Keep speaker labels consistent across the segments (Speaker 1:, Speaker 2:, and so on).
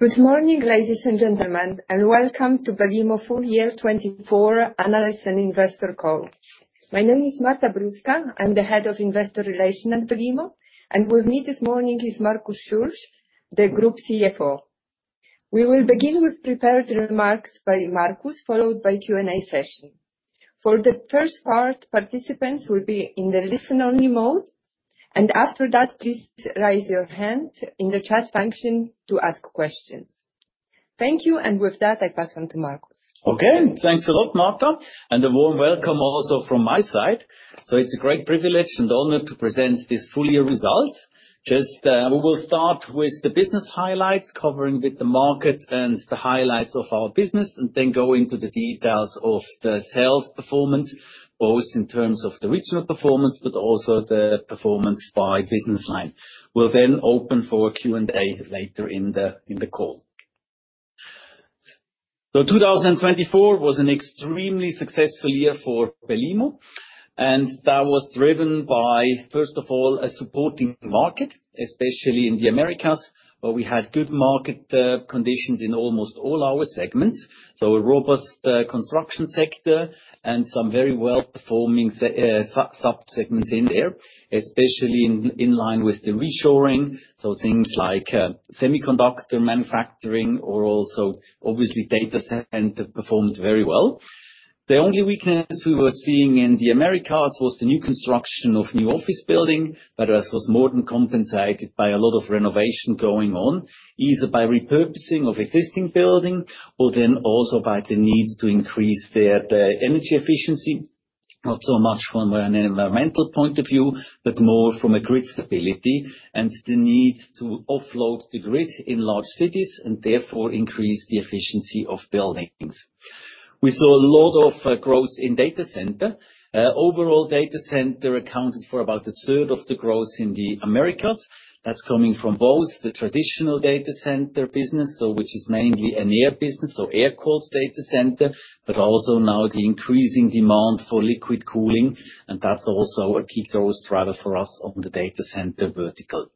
Speaker 1: Good morning, ladies and gentlemen, and welcome to Belimo Full-Year 2024 Analyst and Investor Call. My name is Marta Bruska. I'm the Head of Investor Relations at Belimo, and with me this morning is Markus Schürch, the Group CFO. We will begin with prepared remarks by Markus, followed by a Q&A session. For the first part, participants will be in the listen-only mode, and after that, please raise your hand in the chat function to ask questions. Thank you, and with that, I pass on to Markus.
Speaker 2: Okay, thanks a lot, Marta, and a warm welcome also from my side. So it's a great privilege and honor to present these full-year results. Just we will start with the business highlights, covering the market and the highlights of our business, and then go into the details of the sales performance, both in terms of the regional performance but also the performance by business line. We'll then open for a Q&A later in the call. So 2024 was an extremely successful year for Belimo, and that was driven by, first of all, a supporting market, especially in the Americas, where we had good market conditions in almost all our segments. So a robust construction sector and some very well-performing subsegments in there, especially in line with the reshoring. So things like semiconductor manufacturing or also, obviously, data center performed very well. The only weakness we were seeing in the Americas was the new construction of new office buildings, but this was more than compensated by a lot of renovation going on, either by repurposing of existing buildings or then also by the need to increase their energy efficiency, not so much from an environmental point of view, but more from a grid stability and the need to offload the grid in large cities and therefore increase the efficiency of buildings. We saw a lot of growth in data center. Overall, data center accounted for about a third of the growth in the Americas. That's coming from both the traditional data center business, which is mainly an air business, so air-cooled data center, but also now the increasing demand for liquid cooling, and that's also a key growth driver for us on the data center vertical.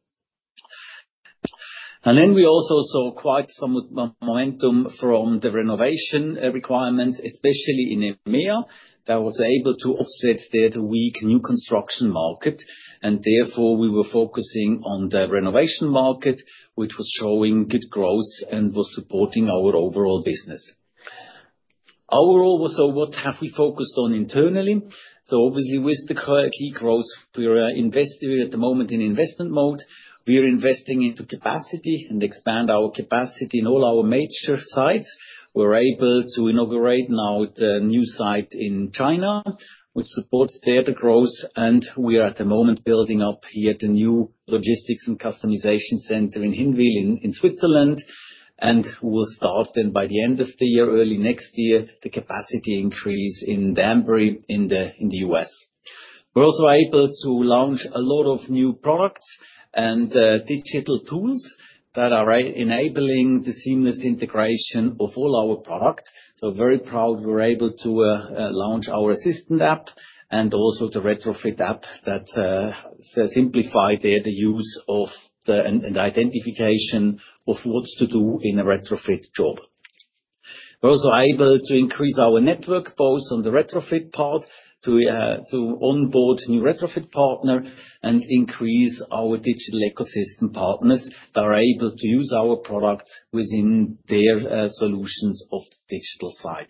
Speaker 2: Then we also saw quite some momentum from the renovation requirements, especially in EMEA. That was able to offset that weak new construction market, and therefore we were focusing on the renovation market, which was showing good growth and was supporting our overall business. Our role was, so what have we focused on internally? Obviously, with the key growth, we're investing at the moment in investment mode. We're investing into capacity and expanding our capacity in all our major sites. We're able to inaugurate now the new site in China, which supports data growth, and we are at the moment building up here the new logistics and customization center in Hinwil in Switzerland. We'll start then by the end of the year, early next year, the capacity increase in Danbury in the US. We're also able to launch a lot of new products and digital tools that are enabling the seamless integration of all our products. So very proud we were able to launch our Assistant App and also the Retrofit App that simplified the use of the identification of what's to do in a Retrofit job. We're also able to increase our network, both on the Retrofit part to onboard new Retrofit partners and increase our digital ecosystem partners that are able to use our products within their solutions of the digital side.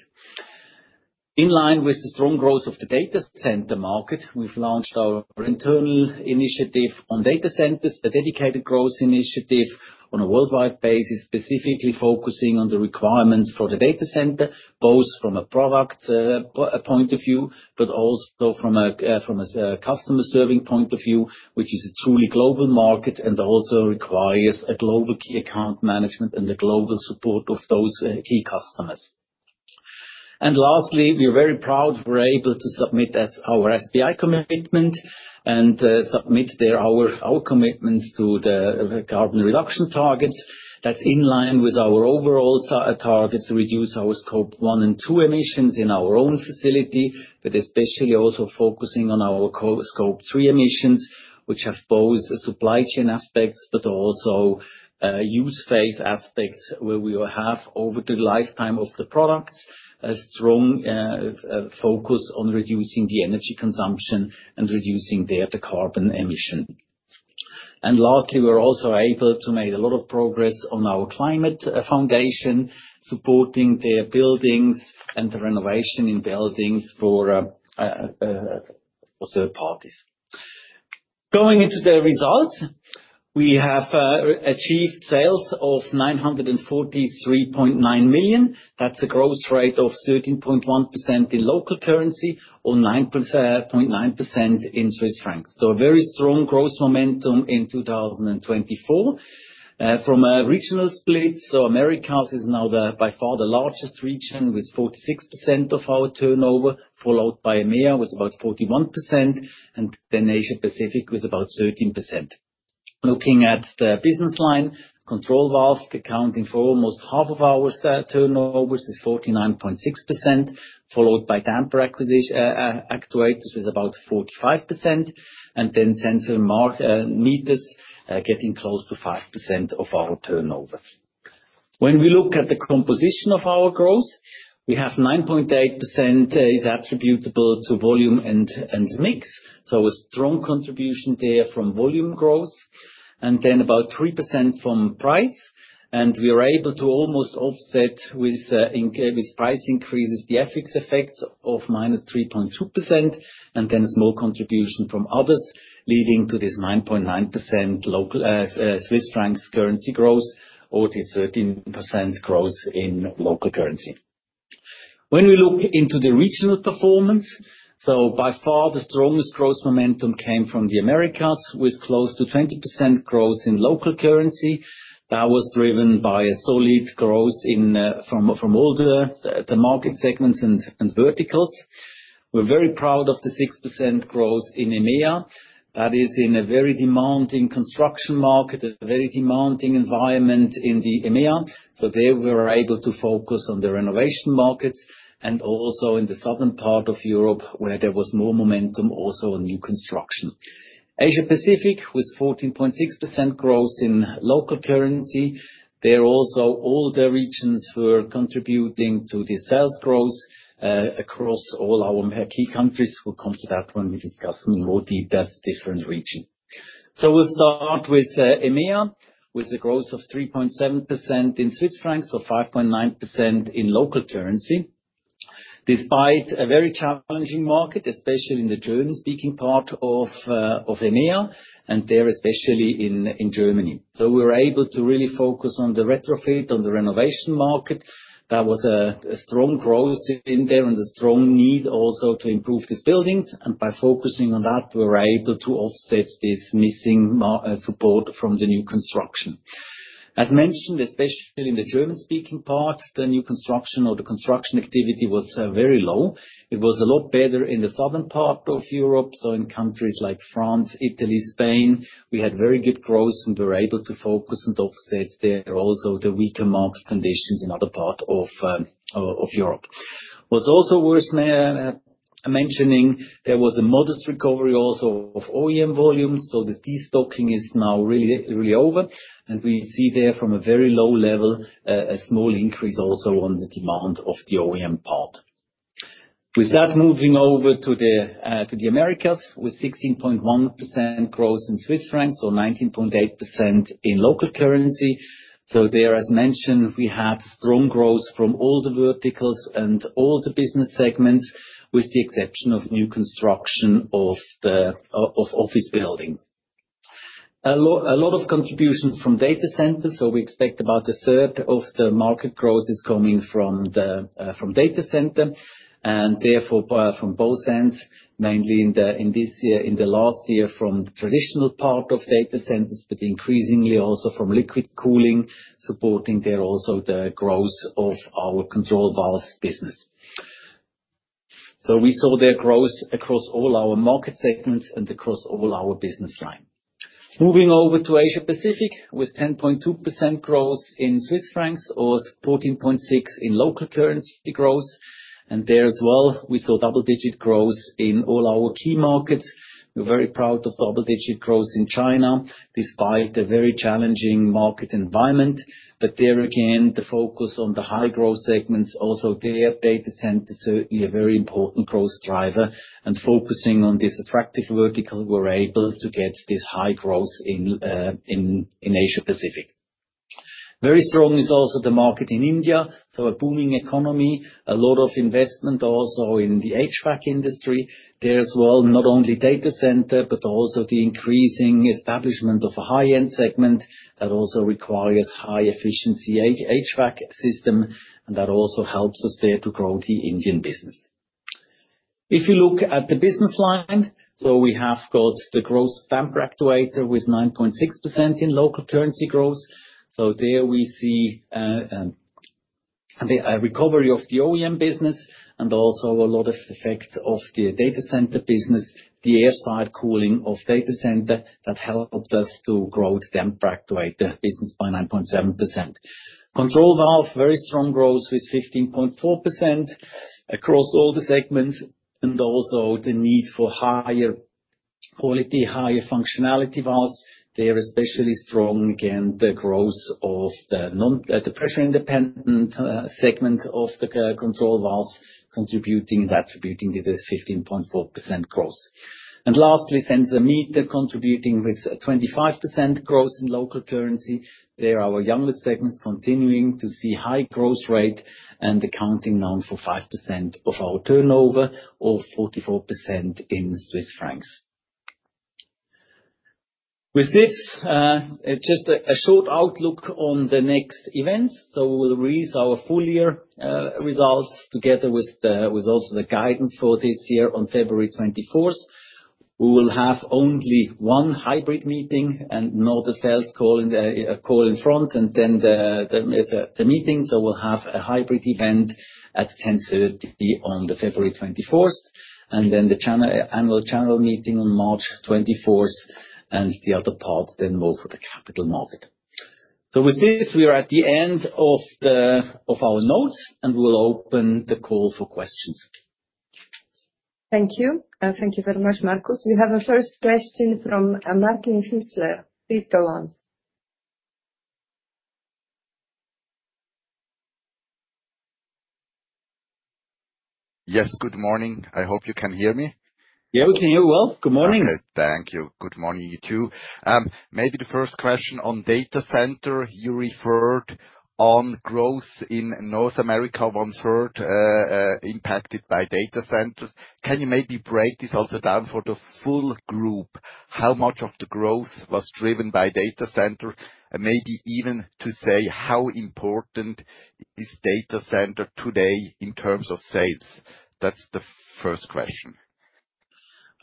Speaker 2: In line with the strong growth of the data center market, we've launched our internal initiative on data centers, a dedicated growth initiative on a worldwide basis, specifically focusing on the requirements for the data centers, both from a product point of view but also from a customer-serving point of view, which is a truly global market and also requires a global key account management and the global support of those key customers, and lastly, we are very proud we're able to submit our SBTi commitment and submit our commitments to the carbon reduction targets. That's in line with our overall targets to reduce our Scope 1 and 2 emissions in our own facility, but especially also focusing on our Scope 3 emissions, which have both supply chain aspects but also use phase aspects where we will have over the lifetime of the products a strong focus on reducing the energy consumption and reducing their carbon emission, and lastly, we're also able to make a lot of progress on our climate foundation, supporting their buildings and the renovation in buildings for third parties. Going into the results, we have achieved sales of 943.9 million. That's a growth rate of 13.1% in local currency or 9.9% in Swiss francs, so a very strong growth momentum in 2024. From a regional split, so Americas is now by far the largest region with 46% of our turnover, followed by EMEA with about 41%, and then Asia-Pacific with about 13%. Looking at the business line, Control Valves accounting for almost half of our turnovers is 49.6%, followed by Damper Actuators with about 45%, and then Sensors and Meters getting close to 5% of our turnovers. When we look at the composition of our growth, we have 9.8% is attributable to volume and mix, so a strong contribution there from volume growth, and then about 3% from price. And we are able to almost offset with price increases the FX effects of minus 3.2%, and then a small contribution from others leading to this 9.9% Swiss francs currency growth or the 13% growth in local currency. When we look into the regional performance, so by far the strongest growth momentum came from the Americas with close to 20% growth in local currency. That was driven by a solid growth from all the market segments and verticals. We're very proud of the 6% growth in EMEA. That is in a very demanding construction market, a very demanding environment in the EMEA. So there we were able to focus on the renovation markets and also in the southern part of Europe where there was more momentum also on new construction. Asia Pacific with 14.6% growth in local currency. There also all the regions were contributing to the sales growth across all our key countries. We'll come to that when we discuss in more detail different regions. So we'll start with EMEA with a growth of 3.7% in Swiss francs, so 5.9% in local currency. Despite a very challenging market, especially in the German-speaking part of EMEA and there especially in Germany, so we were able to really focus on the retrofit, on the renovation market. That was a strong growth in there and a strong need also to improve these buildings, and by focusing on that, we were able to offset this missing support from the new construction. As mentioned, especially in the German-speaking part, the new construction or the construction activity was very low. It was a lot better in the southern part of Europe, so in countries like France, Italy, Spain. We had very good growth and we were able to focus and offset there also the weaker market conditions in other parts of Europe. What's also worth mentioning, there was a modest recovery also of OEM volumes, so the destocking is now really over. We see there from a very low level a small increase also on the demand of the OEM part. With that, moving over to the Americas with 16.1% growth in Swiss francs, so 19.8% in local currency. There, as mentioned, we had strong growth from all the verticals and all the business segments with the exception of new construction of office buildings. A lot of contribution from data centers, so we expect about a third of the market growth is coming from data centers and therefore from both ends, mainly in this year, in the last year from the traditional part of data centers, but increasingly also from liquid cooling, supporting there also the growth of our Control Valves business. We saw there growth across all our market segments and across all our business lines. Moving over to Asia Pacific with 10.2% growth in Swiss francs or 14.6% in local currency growth. And there as well, we saw double-digit growth in all our key markets. We're very proud of double-digit growth in China despite the very challenging market environment. But there again, the focus on the high-growth segments, also their data centers are a very important growth driver. And focusing on this attractive vertical, we were able to get this high growth in Asia Pacific. Very strong is also the market in India, so a booming economy, a lot of investment also in the HVAC industry. There as well, not only data center, but also the increasing establishment of a high-end segment that also requires high-efficiency HVAC system, and that also helps us there to grow the Indian business. If you look at the business line, so we have got the growth of Damper Actuators with 9.6% in local currency growth. So there we see a recovery of the OEM business and also a lot of effects of the data center business, the airside cooling of data center that helped us to grow the Damper Actuators business by 9.7%. Control Valves, very strong growth with 15.4% across all the segments and also the need for higher quality, higher functionality valves. They are especially strong against the growth of the pressure-independent segment of the Control Valves, contributing and attributing to this 15.4% growth. And lastly, Sensors and Meters, contributing with 25% growth in local currency. They are our youngest segments continuing to see high growth rate and accounting now for 5% of our turnover or 44 million. With this, just a short outlook on the next events. We will release our full year results together with also the guidance for this year on February 24th. We will have only one hybrid meeting and not a sales call in front and then the meeting. We'll have a hybrid event at 10:30 A.M. on February 24th and then the annual channel meeting on March 24th and the other parts then more for the capital market. With this, we are at the end of our notes and we'll open the call for questions.
Speaker 1: Thank you. Thank you very much, Markus. We have a first question from Martin Hüssler. Please go on.
Speaker 3: Yes, good morning. I hope you can hear me.
Speaker 2: Yeah, we can hear you well. Good morning.
Speaker 3: Okay, thank you. Good morning to you too. Maybe the first question on data centers. You referred to growth in North America one-third impacted by data centers. Can you maybe break this also down for the full group? How much of the growth was driven by data centers? And maybe even to say how important is data centers today in terms of sales? That's the first question.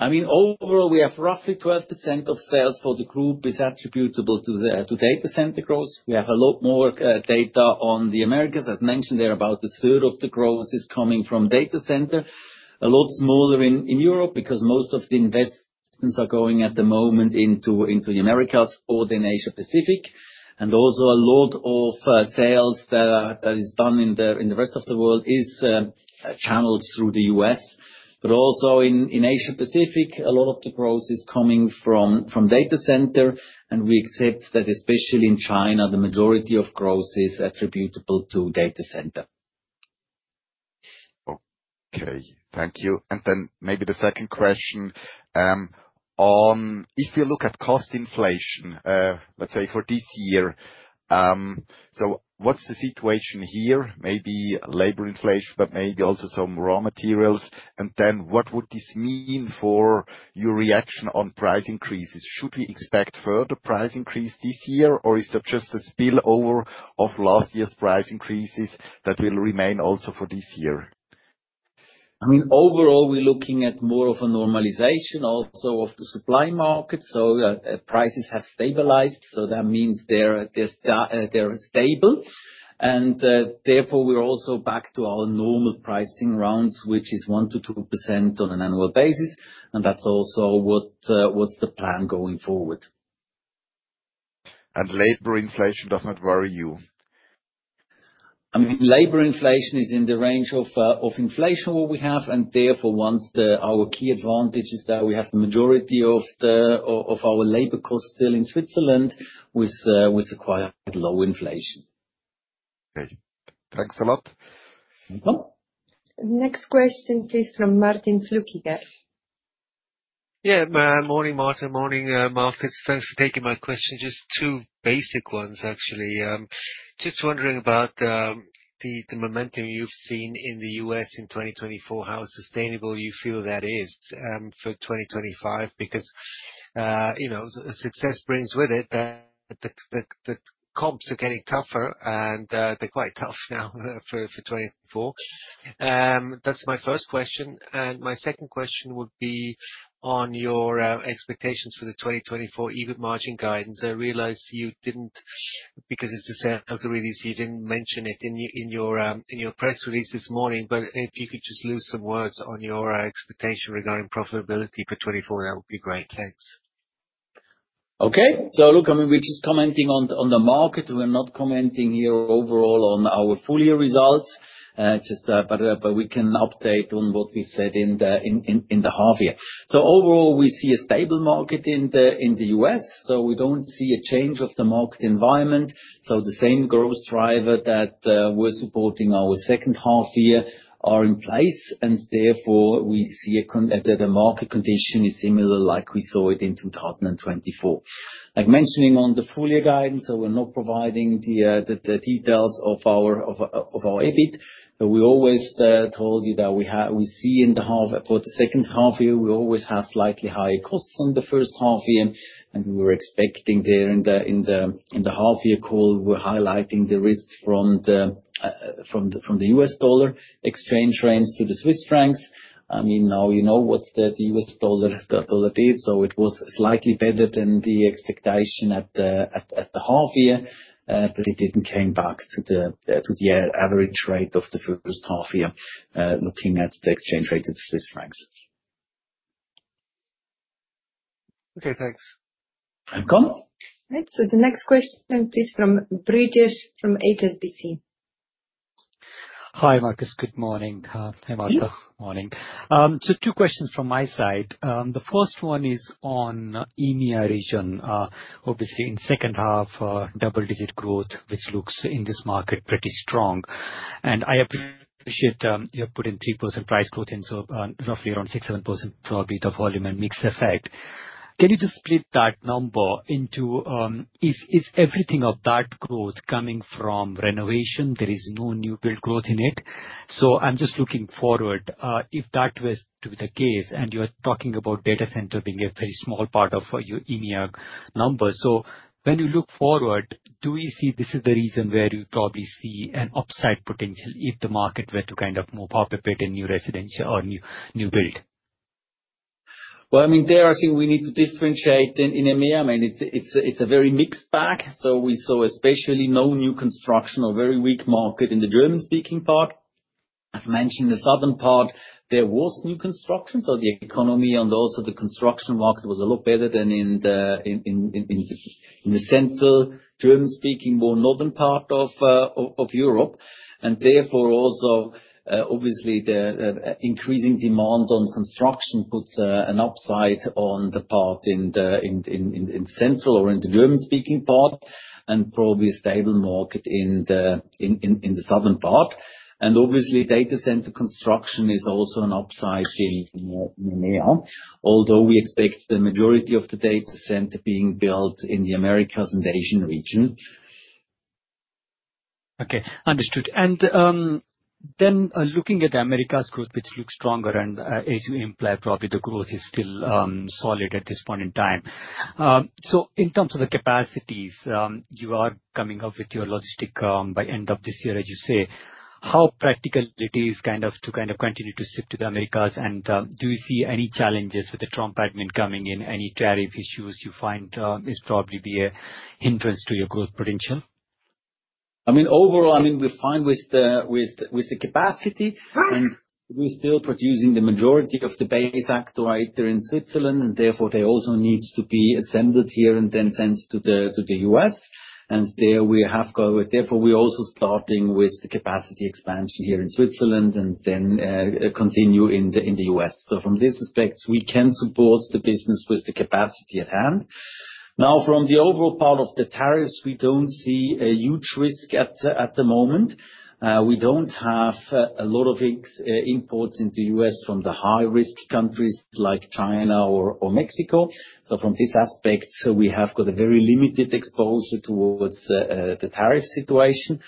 Speaker 2: I mean, overall, we have roughly 12% of sales for the group is attributable to data center growth. We have a lot more data on the Americas. As mentioned, there's about a third of the growth is coming from data center. A lot smaller in Europe because most of the investments are going at the moment into the Americas or in Asia Pacific. And also a lot of sales that is done in the rest of the world is channeled through the US. But also in Asia Pacific, a lot of the growth is coming from data center. And we accept that especially in China, the majority of growth is attributable to data center.
Speaker 3: Okay, thank you. And then maybe the second question on if you look at cost inflation, let's say for this year, so what's the situation here? Maybe labor inflation, but maybe also some raw materials. And then what would this mean for your reaction on price increases? Should we expect further price increase this year or is that just a spillover of last year's price increases that will remain also for this year?
Speaker 2: I mean, overall, we're looking at more of a normalization also of the supply market. So prices have stabilized. So that means they're stable. And therefore, we're also back to our normal pricing rounds, which is 1%-2% on an annual basis. And that's also what's the plan going forward.
Speaker 3: Labor inflation does not worry you?
Speaker 2: I mean, labor inflation is in the range of inflation what we have. And therefore, once our key advantage is that we have the majority of our labor costs still in Switzerland with quite low inflation.
Speaker 3: Okay, thanks a lot.
Speaker 2: Next question, please, from Martin Flückiger.
Speaker 4: Yeah, morning, Martin. Morning, Markus. Thanks for taking my question. Just two basic ones, actually. Just wondering about the momentum you've seen in the U.S. in 2024, how sustainable you feel that is for 2025 because success brings with it that the comps are getting tougher and they're quite tough now for 2024. That's my first question, and my second question would be on your expectations for the 2024 EBIT margin guidance. I realize you didn't, because it's a sales release, you didn't mention it in your press release this morning. But if you could just a few words on your expectation regarding profitability for 2024, that would be great. Thanks.
Speaker 2: Okay. So look, I mean, we're just commenting on the market. We're not commenting here overall on our full year results, but we can update on what we said in the half year. So overall, we see a stable market in the U.S. So we don't see a change of the market environment. So the same growth driver that we're supporting our second half year are in place. And therefore, we see that the market condition is similar like we saw it in 2024. Like mentioning on the full year guidance, so we're not providing the details of our EBIT. But we always told you that we see in the second half year, we always have slightly higher costs in the first half year. And we were expecting there in the half year call, we're highlighting the risk from the U.S. dollar exchange rates to the Swiss francs. I mean, now you know what the U.S. dollar did. So it was slightly better than the expectation at the half year, but it didn't come back to the average rate of the first half year looking at the exchange rate of the Swiss francs.
Speaker 3: Okay, thanks.
Speaker 2: Welcome. All right. So the next question, please, from Brijesh from HSBC.
Speaker 5: Hi, Markus. Good morning. Hi, Marta. Good morning. So two questions from my side. The first one is on EMEA region, obviously in second half, double-digit growth, which looks in this market pretty strong. And I appreciate you're putting 3% price growth in, so roughly around 6-7%, probably the volume and mix effect. Can you just split that number into is everything of that growth coming from renovation? There is no new build growth in it. So I'm just looking forward if that was to be the case and you're talking about data center being a very small part of your EMEA number. So when you look forward, do we see this is the reason where you probably see an upside potential if the market were to kind of move up a bit in new residential or new build?
Speaker 2: Well, I mean, there I think we need to differentiate in EMEA. I mean, it's a very mixed bag. So we saw especially no new construction or very weak market in the German-speaking part. As mentioned, in the southern part, there was new construction. So the economy and also the construction market was a lot better than in the central German-speaking more northern part of Europe. And therefore also, obviously, the increasing demand on construction puts an upside on the part in the central or in the German-speaking part and probably a stable market in the southern part. And obviously, data center construction is also an upside in EMEA, although we expect the majority of the data center being built in the Americas and Asian region.
Speaker 5: Okay, understood. And then looking at Americas' growth, which looks stronger and as you imply, probably the growth is still solid at this point in time. So in terms of the capacities, you are coming up with your logistics by end of this year, as you say. How practical it is kind of to continue to ship to the Americas? And do you see any challenges with the Trump admin coming in? Any tariff issues you find is probably be a hindrance to your growth potential?
Speaker 2: I mean, overall, we're fine with the capacity. And we're still producing the majority of the base actuator in Switzerland. And therefore, they also need to be assembled here and then sent to the U.S. And there we have to go. Therefore, we're also starting with the capacity expansion here in Switzerland and then continue in the U.S. So from this aspect, we can support the business with the capacity at hand. Now, from the overall part of the tariffs, we don't see a huge risk at the moment. We don't have a lot of imports into the U.S. from the high-risk countries like China or Mexico. So from this aspect, we have got a very limited exposure towards the tariff situation.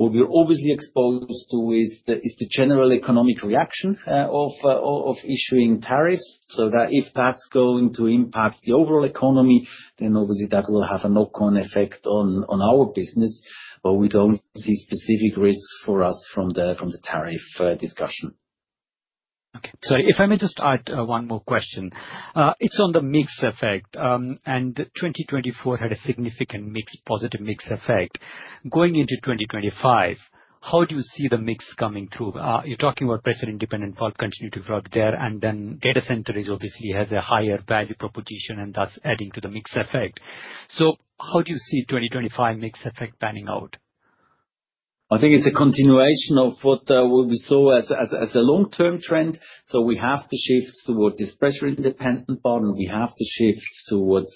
Speaker 2: What we're obviously exposed to is the general economic reaction of issuing tariffs. So that if that's going to impact the overall economy, then obviously that will have a knock-on effect on our business. But we don't see specific risks for us from the tariff discussion.
Speaker 5: Okay, so if I may just add one more question. It's on the mix effect, and 2024 had a significant positive mix effect. Going into 2025, how do you see the mix coming through? You're talking about pressure-independent front continuity growth there, and then data center obviously has a higher value proposition and that's adding to the mix effect, so how do you see 2025 mix effect panning out?
Speaker 2: I think it's a continuation of what we saw as a long-term trend, so we have to shift towards this pressure-independent valves. We have to shift towards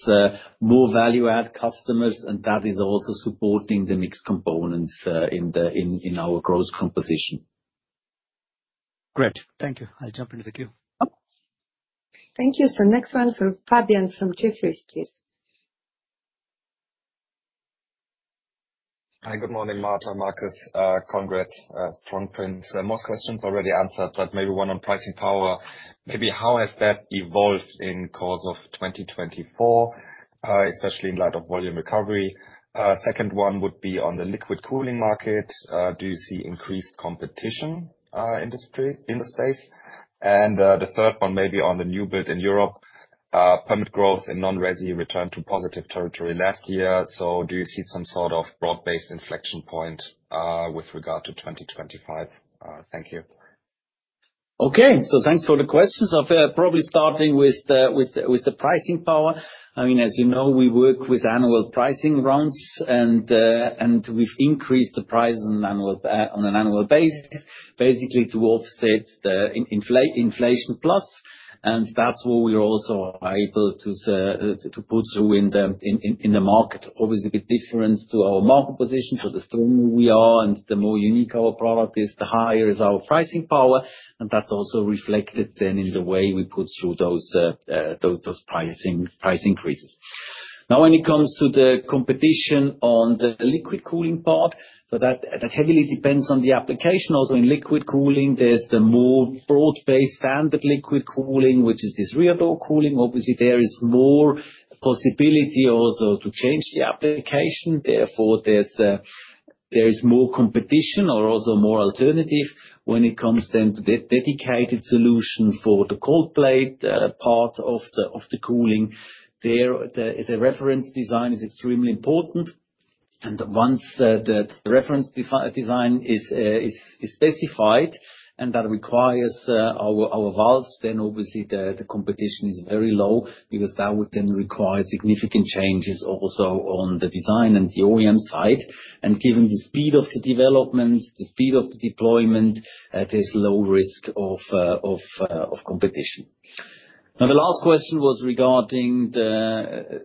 Speaker 2: more value-add customers, and that is also supporting the mix of components in our growth composition.
Speaker 5: Great. Thank you. I'll jump into the queue.
Speaker 2: Thank you. So next one from Fabian from Jefferies, please.
Speaker 6: Hi, good morning, Marta. Markus, congrats. Strong prints. Most questions already answered, but maybe one on pricing power. Maybe how has that evolved in course of 2024, especially in light of volume recovery? Second one would be on the liquid cooling market. Do you see increased competition in the space? And the third one, maybe on the new build in Europe, permit growth and non-resi returned to positive territory last year. So do you see some sort of broad-based inflection point with regard to 2025? Thank you.
Speaker 2: Okay, so thanks for the questions. I'll probably starting with the pricing power. I mean, as you know, we work with annual pricing rounds, and we've increased the price on an annual basis, basically to offset the inflation plus, and that's what we're also able to put through in the market. Obviously, a bit different to our market position, so the stronger we are and the more unique our product is, the higher is our pricing power. And that's also reflected then in the way we put through those price increases. Now, when it comes to the competition on the liquid cooling part, so that heavily depends on the application. Also in liquid cooling, there's the more broad-based standard liquid cooling, which is this rear door cooling. Obviously, there is more possibility also to change the application. Therefore, there is more competition or also more alternative when it comes then to the dedicated solution for the cold plate part of the cooling. The reference design is extremely important. And once the reference design is specified and that requires our valves, then obviously the competition is very low because that would then require significant changes also on the design and the OEM side. And given the speed of the development, the speed of the deployment, there's low risk of competition. Now, the last question was regarding the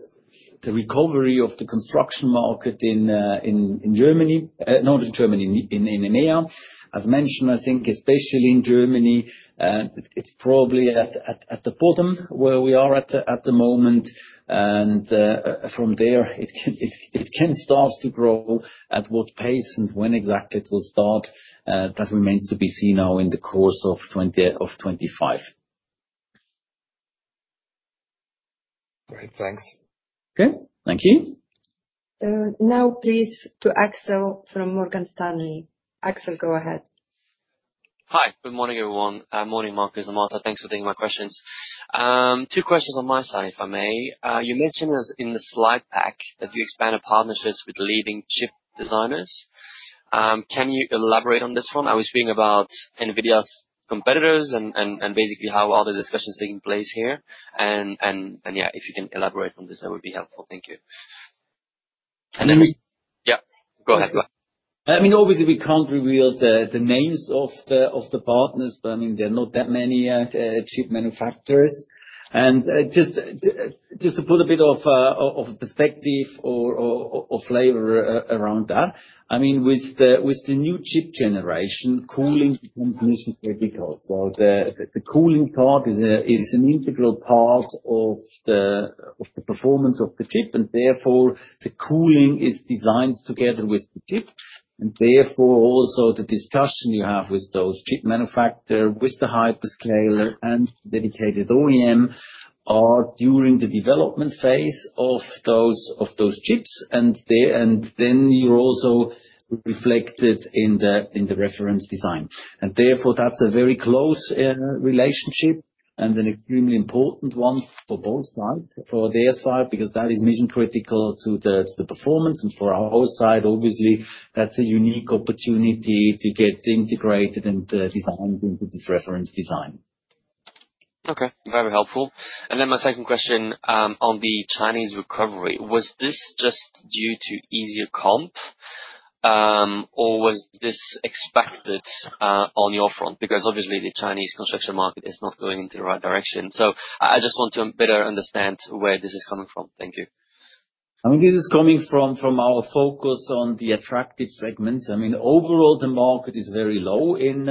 Speaker 2: recovery of the construction market in Germany, not in Germany, in EMEA. As mentioned, I think especially in Germany, it's probably at the bottom where we are at the moment. And from there, it can start to grow at what pace and when exactly it will start, that remains to be seen now in the course of 2025.
Speaker 6: Great. Thanks.
Speaker 2: Okay. Thank you.
Speaker 1: Now, please, to Axel from Morgan Stanley. Axel, go ahead.
Speaker 7: Hi. Good morning, everyone. Morning, Markus and Marta. Thanks for taking my questions. Two questions on my side, if I may. You mentioned in the slide pack that you expanded partnerships with leading chip designers. Can you elaborate on this one? I was reading about NVIDIA's competitors and basically how are the discussions taking place here. And yeah, if you can elaborate on this, that would be helpful. Thank you.
Speaker 2: And then.
Speaker 7: Yep. Go ahead.
Speaker 2: I mean, obviously, we can't reveal the names of the partners, but I mean, there are not that many chip manufacturers. And just to put a bit of perspective or flavor around that, I mean, with the new chip generation, cooling becomes much more difficult. So the cooling part is an integral part of the performance of the chip. And therefore, the cooling is designed together with the chip. And therefore, also the discussion you have with those chip manufacturers, with the hyperscaler and dedicated OEM are during the development phase of those chips. And then you're also reflected in the reference design. And therefore, that's a very close relationship and an extremely important one for both sides, for their side, because that is mission-critical to the performance. And for our side, obviously, that's a unique opportunity to get integrated and designed into this reference design.
Speaker 7: Okay. Very helpful. And then my second question on the Chinese recovery. Was this just due to easier comp or was this expected on your front? Because obviously, the Chinese construction market is not going into the right direction. So I just want to better understand where this is coming from. Thank you.
Speaker 2: I mean, this is coming from our focus on the attractive segments. I mean, overall, the market is very low in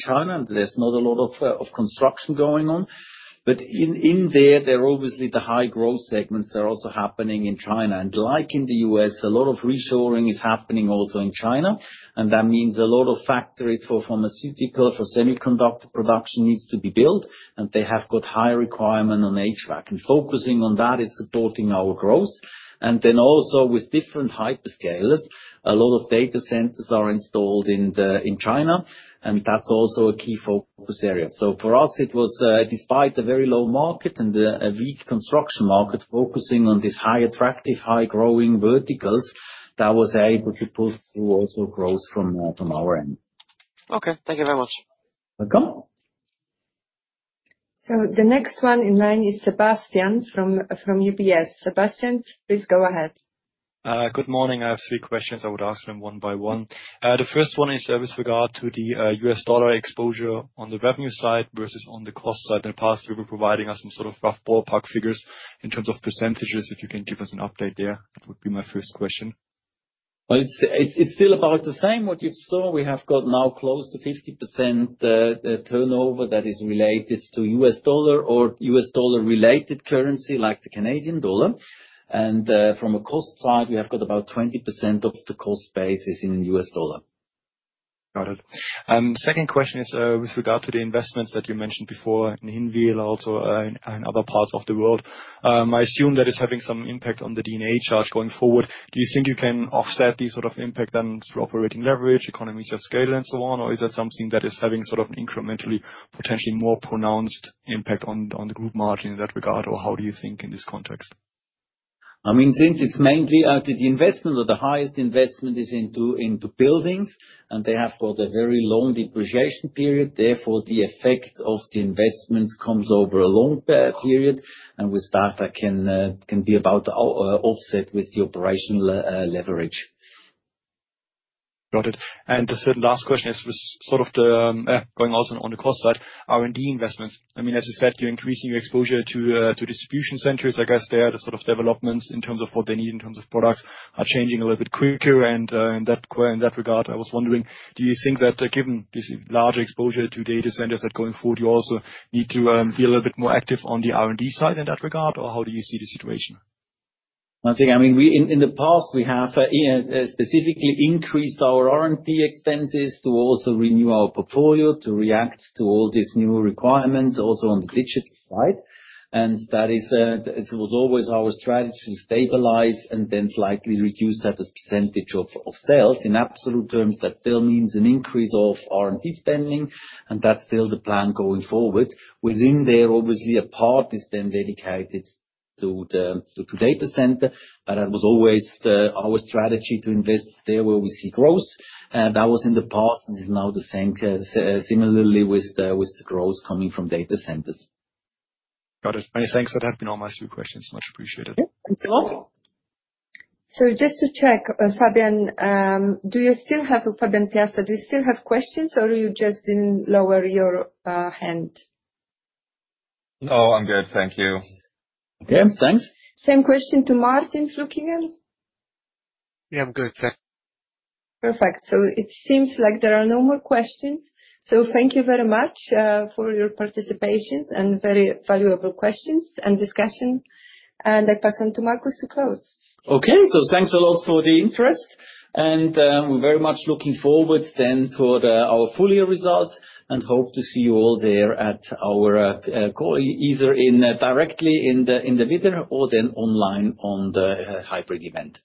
Speaker 2: China. There's not a lot of construction going on. But in there, there are obviously the high growth segments that are also happening in China. And like in the US, a lot of reshoring is happening also in China. And that means a lot of factories for pharmaceutical, for semiconductor production needs to be built. And they have got high requirement on HVAC. And focusing on that is supporting our growth. And then also with different hyperscalers, a lot of data centers are installed in China. And that's also a key focus area. So for us, it was despite a very low market and a weak construction market, focusing on these high attractive, high growing verticals, that was able to pull through also growth from our end.
Speaker 7: Okay. Thank you very much.
Speaker 2: Welcome. So the next one in line is Sebastian from UBS. Sebastian, please go ahead.
Speaker 8: Good morning. I have three questions I would ask them one by one. The first one is with regard to the U.S. dollar exposure on the revenue side versus on the cost side. In the past, you were providing us some sort of rough ballpark figures in terms of percentages. If you can give us an update there, that would be my first question.
Speaker 2: It's still about the same. What you saw, we have got now close to 50% turnover that is related to U.S. dollar or U.S. dollar-related currency like the Canadian dollar. And from a cost side, we have got about 20% of the cost basis in U.S. dollar.
Speaker 8: Got it. Second question is with regard to the investments that you mentioned before in Hinwil, also in other parts of the world. I assume that is having some impact on the D&A charge going forward. Do you think you can offset these sort of impact on through operating leverage, economies of scale, and so on? Or is that something that is having sort of an incrementally, potentially more pronounced impact on the group margin in that regard? Or how do you think in this context?
Speaker 2: I mean, since it's mainly the investment or the highest investment is into buildings, and they have got a very long depreciation period, therefore the effect of the investments comes over a long period, and with that, that can be about offset with the operational leverage.
Speaker 8: Got it. And the third last question is sort of going also on the cost side, R&D investments. I mean, as you said, you're increasing your exposure to distribution centers. I guess there are sort of developments in terms of what they need in terms of products are changing a little bit quicker. And in that regard, I was wondering, do you think that given this large exposure to data centers that going forward, you also need to be a little bit more active on the R&D side in that regard? Or how do you see the situation?
Speaker 2: I think, I mean, in the past, we have specifically increased our R&D expenses to also renew our portfolio to react to all these new requirements, also on the digital side. And that was always our strategy to stabilize and then slightly reduce that as percentage of sales in absolute terms. That still means an increase of R&D spending. And that's still the plan going forward. Within there, obviously, a part is then dedicated to data center. But that was always our strategy to invest there where we see growth. That was in the past. And it's now the same, similarly with the growth coming from data centers.
Speaker 8: Got it. Many thanks. That has been all my three questions. Much appreciated.
Speaker 2: Thank you all. So just to check, Fabian, do you still have Fabian Piasta? Do you still have questions? Or you just didn't lower your hand?
Speaker 6: No, I'm good. Thank you.
Speaker 2: Okay. Thanks. Same question to Martin Flückiger.
Speaker 4: Yeah, I'm good.
Speaker 2: Perfect. So it seems like there are no more questions. So thank you very much for your participations and very valuable questions and discussion. And I pass on to Markus to close. Okay. So thanks a lot for the interest. And we're very much looking forward then toward our full year results and hope to see you all there at our call, either directly in the middle or then online on the hybrid event.